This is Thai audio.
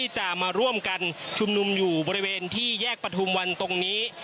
จะมาร่วมกันชุมนุมอยู่บริเวณที่แยกประทุมวันตรงนี้